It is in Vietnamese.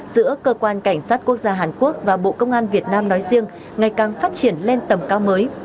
giữa cơ quan cảnh sát quốc gia hàn quốc và bộ công an việt nam nói riêng ngày càng phát triển lên tầm cao mới